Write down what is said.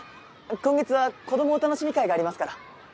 今月はこどもおたのしみ会がありますから。